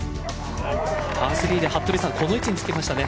パ−３でこの位置につけましたね。